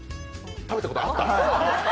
食べたことあった？